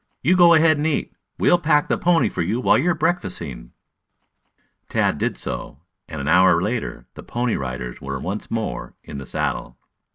"You go ahead and eat. We'll pack the pony for you while you are breakfasting." Tad did so, and an hour later the Pony Riders were once more in the saddle.